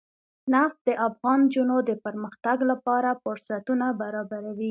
نفت د افغان نجونو د پرمختګ لپاره فرصتونه برابروي.